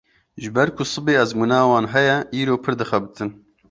Ji ber ku sibê ezmûna wan heye, îro pir dixebitin.